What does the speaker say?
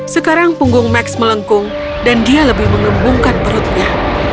sekarang punggung max melengkung dan dia lebih mengembungkan perutnya